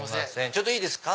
ちょっといいですか？